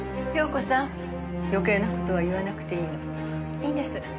いいんです。